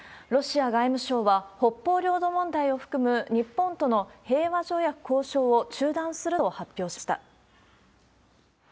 ロシア外務省は、北方領土問題を含む日本との平和条約交渉を中断すると発表しました。